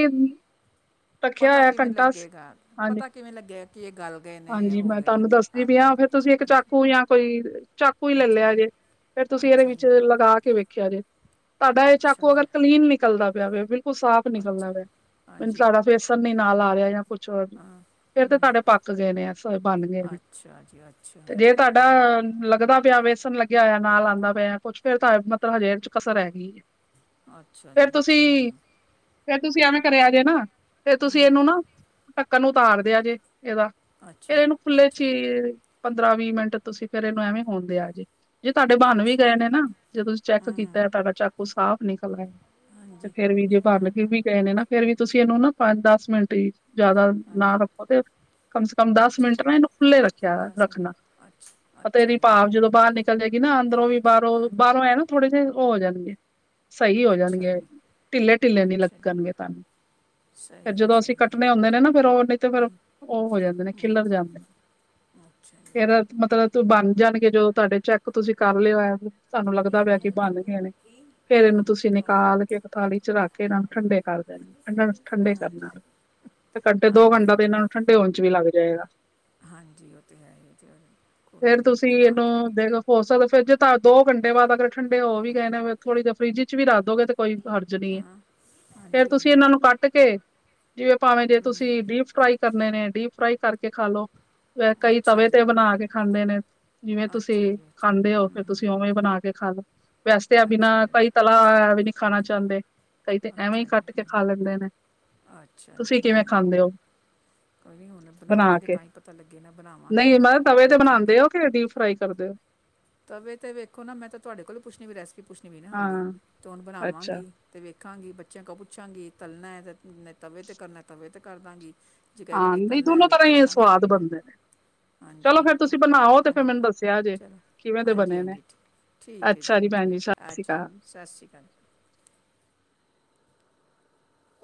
[SPEAKER 2] ਰੱਖਿਆ
[SPEAKER 1] ਪਤਾ
[SPEAKER 2] ਹੋਇਆ
[SPEAKER 1] ਕਿਵੇਂ
[SPEAKER 2] ਘੰਟਾ ਸ
[SPEAKER 1] ਲੱਗੇਗਾ,
[SPEAKER 2] ਹਾਂਜੀ
[SPEAKER 1] ਪਤਾ ਕਿਵੇਂ ਲੱਗੇ ਕਿ ਏ ਗੱਲ ਗਏ ਨੇ, ਏ ਹੋ ਗਏ ਨੇ
[SPEAKER 2] ਤਾਨੂੰ ਦੱਸਦੀ
[SPEAKER 1] ਆ
[SPEAKER 2] ਪੀ ਆਂ
[SPEAKER 1] ਕਿਵੇਂ
[SPEAKER 2] ਫੇਰ ਤੁਸੀ ਏੱਕ
[SPEAKER 1] ਹਾਂਜੀ
[SPEAKER 2] ਚਾਕੂ ਯਾਂ ਕੋਈ ਚਾਕੂ ਈ
[SPEAKER 1] ਅੱਛਾ
[SPEAKER 2] ਲੱਲਿਆ
[SPEAKER 1] ਜੀ
[SPEAKER 2] ਜੇ। ਫੇਰ ਤੁਸੀ ਏਰੇ
[SPEAKER 1] ਅੱਛਾ ਜੀ
[SPEAKER 2] ਵਿੱਚ ਲਗਾ ਕੇ ਵੇਖਿਆ ਜੇ। ਤਾਡਾ ਏ
[SPEAKER 1] ਅੱਛਾ
[SPEAKER 2] ਚਾਕੂ
[SPEAKER 1] ਜੀ
[SPEAKER 2] ਅਗਰ ਕਲੀਨ ਨਿਕਲਦਾ ਪਿਆ ਵੇ ਬਿਲਕੁਲ ਸਾਫ਼
[SPEAKER 1] ਅੱਛਾ
[SPEAKER 2] ਨਿਕਲਦਾ
[SPEAKER 1] ਜੀ।
[SPEAKER 2] ਪਿਐ ਮਨੂੰ
[SPEAKER 1] ਹਾਂਜੀ
[SPEAKER 2] ਤੁਆਡਾ ਵੇਸ ਨ ਨੀ ਨਾਲ ਆ ਰਿਆ ਯਾਂ ਕੁਛ
[SPEAKER 1] ਹਾਂ
[SPEAKER 2] ਫੇਰ ਤੇ
[SPEAKER 1] ਹਮ,
[SPEAKER 2] ਤੁਆਡੇ ਪੱਕ ਗਏ ਨੇ ਐ।
[SPEAKER 1] ਅੱਛਾ ਜੀ ਅੱਛਾ
[SPEAKER 2] ਤੇ ਜੇ ਤੁਹਾਡਾ
[SPEAKER 1] ਹਮ,
[SPEAKER 2] ਲੱਗਦਾ ਪਿਆ ਵੇਸਣ ਲੱਗਿਆ ਹੋਇਆ ਨਾਲ ਆਦਾਂ ਪਿਆ ਕੁੱਛ, ਫੇਰ ਤਾਂ ਮਤਲਬ ਹਜੇ ਏ 'ਚ ਕਸਰ ਹੈਗੀ ਏ
[SPEAKER 1] ਅੱਛਾ
[SPEAKER 2] ਫੇਰ
[SPEAKER 1] ਜੀ
[SPEAKER 2] ਤੁਸੀਂ,
[SPEAKER 1] ਹਮ,
[SPEAKER 2] ਫੇਰ ਤੁਸੀਂ ਐਵੇਂ ਕਰਿਆ ਜੇ ਨਾ, ਫੇਰ ਤੁਸੀਂ
[SPEAKER 1] ਹਮ,
[SPEAKER 2] ਇਹਨੂੰ ਨਾ ਢੱਕਣ ਨੂੰ ਉਤਾਰ ਦਿਆ ਜੇ, ਇਹਦਾ ਫਿਰ
[SPEAKER 1] ਅੱਛਾ
[SPEAKER 2] ਇਹਨੂੰ ਖੁੱਲੇ 'ਚ
[SPEAKER 1] ਅੱਛਾ
[SPEAKER 2] ਈ, ਪੰਦਰਾਂ-ਵੀਹ ਮਿੰਟ ਤੁਸੀਂ ਫੇਰ ਇਹਨੂੰ ਐਵੇਂ ਹੋਣ ਦਿਆ ਜੇ ਜੇ ਤੁਹਾਡੇ ਬਣ ਵੀ
[SPEAKER 1] ਅੱਛਾ
[SPEAKER 2] ਗਏ
[SPEAKER 1] ਜੀ
[SPEAKER 2] ਨੇ ਨਾ, ਜੇ ਤੁਸੀਂ ਚੈੱਕ
[SPEAKER 1] ਹਮ, ਹਮ,
[SPEAKER 2] ਕੀਤਾ, ਤੁਹਾਡਾ ਚਾਕੂ ਸਾਫ਼ ਨਿਕਲ ਆਇ ਤੇ
[SPEAKER 1] ਹਾਂਜੀ
[SPEAKER 2] ਫੇਰ ਵੀ ਜੇ ਭਰਨ
[SPEAKER 1] ਹਾਂ
[SPEAKER 2] ਫ ਵੀ ਗਏ ਨੇ ਨਾ ਫੇਰ ਵੀ ਤੁਸੀਂ ਇਹਨੂੰ ਨਾ ਪੰਜ-ਦਸ ਮਿੰਟ ਈ, ਜ਼ਿਆਦਾ ਨਾ
[SPEAKER 1] ਹਾਂਜੀ
[SPEAKER 2] ਰੱਖੋ ਤੇ ਕਮ ਸੇ ਕਮ ਦਸ
[SPEAKER 1] ਅੱਛਾ
[SPEAKER 2] ਮਿੰਟ ਨਾ
[SPEAKER 1] ਜੀ
[SPEAKER 2] ਇਹਨੂੰ ਖੁੱਲੇ ਰੱਖਿਆ
[SPEAKER 1] ਦੱਸ
[SPEAKER 2] ਰੱਖਣਾ
[SPEAKER 1] ਅੱਛਾ
[SPEAKER 2] ਅਤੇ ਇਹਦੀ
[SPEAKER 1] ਅੱਛਾ ਜੀ
[SPEAKER 2] ਭਾਵ ਜਦੋਂ
[SPEAKER 1] ਹਮ,
[SPEAKER 2] ਬਾਹਰ ਨਿਕਲ ਚੱਲ ਜਾਏਗੀ ਨਾ, ਅੰਦਰੋਂ ਵੀ ਬਾਹਰੋਂ ਵੀ,
[SPEAKER 1] ਹਾਂਜੀ
[SPEAKER 2] ਬਾਹਰੋਂ ਐ ਨਾ ਥੋੜੇ ਜਿਹੇ ਓ ਜਾਣਗੇ ਸਹੀ ਹੋ
[SPEAKER 1] ਅੱਛਾ
[SPEAKER 2] ਜਾਣਗੇ
[SPEAKER 1] ਜੀ
[SPEAKER 2] ਢਿੱਲੇ-ਢਿੱਲੇ ਨੀ
[SPEAKER 1] ਅੱਛਾ ਜੀ
[SPEAKER 2] ਲੱਗਣਗੇ ਤੁਹਾਨੂੰ ਫਿਰ
[SPEAKER 1] ਸਹੀ ਹੈ
[SPEAKER 2] ਜਦੋਂ ਅਸੀਂ
[SPEAKER 1] ਸਹੀ ਹੈ
[SPEAKER 2] ਕੱਟਣੇ ਹੁੰਦੇ
[SPEAKER 1] ਹਮ,
[SPEAKER 2] ਨੇ ਨਾ, ਫੇਰ ਉਹ ਨਹੀਂ ਤੇ ਫੇਰ
[SPEAKER 1] ਹਮ,
[SPEAKER 2] ਉਹ ਹੋ ਜਾਂਦੇ ਨੇ,
[SPEAKER 1] ਹਮ,
[SPEAKER 2] ਖਿਲਰ ਜਾਂਦੇ ਨੇ
[SPEAKER 1] ਅੱਛਾ। ਜੀ
[SPEAKER 2] ਫੇਰ ਮਤਲਬ ਤੂੰ ਬਣ ਜਾਣਗੇ ਜੋ ਤੁਹਾਡੇ ਚੈੱਕ ਤੁਸੀਂ ਕਰ ਲਿਓ ਆਪ ਈ, ਤੁਹਾਨੂੰ ਲੱਗਦਾ ਪਿਆ ਕਿ ਬਣਗੇ ਨੇ ਫੇਰ ਇਹਨੂੰ
[SPEAKER 1] ਹਮ,
[SPEAKER 2] ਤੁਸੀਂ
[SPEAKER 1] ਔਰ
[SPEAKER 2] ਨਿਕਾਲ ਕੇ ਇੱਕ ਥਾਲੀ 'ਚ ਰੱਖ ਕੇ, ਇਹਨਾਂ ਨੂੰ ਠੰਡੇ ਕਰ ਦੇਣੇ, ਠੰਡ-ਠੰਡੇ ਕਰਨ ਨਾਲ ਤੇ ਘੰਟੇ ਦੋ
[SPEAKER 1] ਹਾਂਜੀ
[SPEAKER 2] ਘੰਟਾ ਤੇ
[SPEAKER 1] ਹਾਂਜੀ
[SPEAKER 2] ਇਹਨਾਂ ਨੂੰ ਠੰਡੇ ਹੋਣ 'ਚ ਵੀ ਲੱਗ ਜਾਏਗਾ।
[SPEAKER 1] ਹਾਂਜੀ, ਉਹ ਤੇ ਹੈ ਈ ਏ ਚਲੋ, ਕੋਈ
[SPEAKER 2] ਫੇਰ
[SPEAKER 1] ਨੀ
[SPEAKER 2] ਤੁਸੀਂ
[SPEAKER 1] ਬਣਾ ਕੇ
[SPEAKER 2] ਇਹਨੂੰ ਦੇਖੋ ਹੋ ਸਕਦਾ ਫਰਿੱਜ 'ਚ ਧਰਦੋ, ਦੋ ਘੰਟੇ ਬਾਅਦ ਅਗਰ ਠੰਡੇ ਹੋ ਵੀ ਗਏ ਨੇ, ਫਿਰ ਥੋੜੀ ਦੇਰ ਫਰਿਜ 'ਚ ਵੀ ਰੱਖਦੋਗੇ ਤੇ ਕੋਈ ਹਰਜ਼ ਨੀ ਏ,
[SPEAKER 1] ਹਾਂ
[SPEAKER 2] ਫੇਰ
[SPEAKER 1] ਹਾਂਜੀ
[SPEAKER 2] ਤੁਸੀਂ
[SPEAKER 1] ਹਾਂਜੀ
[SPEAKER 2] ਇਹਨਾਂ ਨੂੰ ਕੱਟ ਕੇ ਜਿਵੇਂ ਭਾਵੇਂ ਜੇ
[SPEAKER 1] ਹਮ,
[SPEAKER 2] ਤੁਸੀਂ ਡੀਪ-ਫਰਾਈ ਕਰਨੇ ਨੇ, ਡੀਪ-ਫਰਾਈ ਕਰਕੇ ਖਾ ਲੋ। ਕਈ
[SPEAKER 1] ਅੱਛਾ
[SPEAKER 2] ਤਵੇ
[SPEAKER 1] ਜੀ
[SPEAKER 2] ਤੇ ਬਣਾ ਕੇ ਖਾਂਦੇ ਨੇ। ਜਿਵੇਂ
[SPEAKER 1] ਅੱਛਾ
[SPEAKER 2] ਤੁਸੀਂ
[SPEAKER 1] ਜੀ ਅੱਛਾ ਜੀ
[SPEAKER 2] ਖਾਂਦੇ ਓ,
[SPEAKER 1] ਹਮ
[SPEAKER 2] ਫੇਰ ਤੁਸੀਂ
[SPEAKER 1] ਹਮ
[SPEAKER 2] ਉਵੇਂ ਬਣਾ ਕੇ ਖਾਲੋ, ਵੈਸੇ ਤੇ
[SPEAKER 1] ਅੱਛਾ
[SPEAKER 2] ਬਿਨਾਂ
[SPEAKER 1] ਜੀ
[SPEAKER 2] ਕਈ ਤਲ ਆ ਵੀ ਨੀ ਖਾਣਾ ਚਾਹੁੰਦੇ। ਕਈ ਤਾਂ ਐਵੇਂ ਈ
[SPEAKER 1] ਅੱਛਾ ਜੀ
[SPEAKER 2] ਕੱਟ ਕੇ
[SPEAKER 1] ਹਮ,
[SPEAKER 2] ਖਾ ਲੈਂਦੇ ਨੇ,
[SPEAKER 1] ਅੱਛਾ ਜੀ
[SPEAKER 2] ਤੁਸੀਂ ਕਿਵੇਂ
[SPEAKER 1] ਹਾਂ
[SPEAKER 2] ਖਾਂਦੇ
[SPEAKER 1] ਨਹੀਂ
[SPEAKER 2] ਓ?
[SPEAKER 1] ਕੋਈ ਨੀ ਹੁਣ ਬਣਾਵਾਂਗੇ ਤਾਂ ਈ ਪਤਾ ਲੱਗੇ ਨਾ, ਬਣਾਵਾਂਗੇ
[SPEAKER 2] ਨਹੀਂ
[SPEAKER 1] ਨਾ
[SPEAKER 2] ਮੈਂ ਤਵੇ ਤੇ
[SPEAKER 1] ਵੇਖਾਂਗੇ
[SPEAKER 2] ਬਣਾਉਂਦੇ ਹੋ ਕਿ ਡੀਪ ਫਰਾਈ ਕਰਦੇ ਹੋ
[SPEAKER 1] ਤਵੇ ਤੇ ਵੇਖੋ ਨਾ, ਮੈਂ ਤੇ ਤੁਹਾਡੇ ਕੋਲੋਂ ਪੁੱਛਣੀ ਵੀ, ਰੈਸਪੀ ਪੁੱਛਣੀ ਵੀ ਨਾ ਹਾਲੇ
[SPEAKER 2] ਹਾਂ
[SPEAKER 1] ਤੇ ਹੁਣ
[SPEAKER 2] ਅੱਛਾ
[SPEAKER 1] ਬਣਾਵਾਂਗੇ ਤੇ ਵੇਖਾਂਗੀ ਬੱਚਿਆਂ ਕੋ ਪੁੱਛਾਂਗੀ, ਤਲਣਾ ਤਵੇ ਤੇ ਕਰਨਾ ਤਵੇ ਤੇ ਕਰਦਾਂਗੀ ਜੇ ਕਹਿਗੇ
[SPEAKER 2] ਹਾਂ
[SPEAKER 1] ਨੇ
[SPEAKER 2] ਨਹੀਂ
[SPEAKER 1] ਤਲਣਾ,
[SPEAKER 2] ਦੋਨੋ
[SPEAKER 1] ਵੇ
[SPEAKER 2] ਤਰ੍ਹਾਂ ਹੀ
[SPEAKER 1] ਤਲਦਾਂਗੀ ਫਿਰ
[SPEAKER 2] ਸਵਾਦ
[SPEAKER 1] ਮੈਂ
[SPEAKER 2] ਬਣਦੇ ਨੇ
[SPEAKER 1] ਹਾਂਜੀ
[SPEAKER 2] ਚਲੋ ਫੇਰ ਤੁਸੀਂ
[SPEAKER 1] ਓਕੇ
[SPEAKER 2] ਬਣਾਓ ਤੇ ਫੇਰ
[SPEAKER 1] ਹਾਂਜੀ
[SPEAKER 2] ਮੈਨੂੰ ਦੱਸਿਆ ਜੇ
[SPEAKER 1] ਚਲੋ,
[SPEAKER 2] ਕਿਵੇਂ ਦੇ ਬਣੇ ਨੇ
[SPEAKER 1] ਹਾਂਜੀ-ਹਾਂਜੀ। ਠੀਕ ਏ ਜੀ
[SPEAKER 2] ਅੱਛਾ ਭੈਣ
[SPEAKER 1] ਠੀਕ,
[SPEAKER 2] ਸਤਿ ਸ੍ਰੀ
[SPEAKER 1] ਅੱਛਾ ਜੀ
[SPEAKER 2] ਅਕਾਲ
[SPEAKER 1] ਸ਼ਾਸੀ ਕਾਲ ਜੀ।